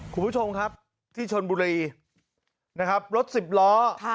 คุณผู้ชมครับที่ชนบุรีนะครับรถสิบล้อ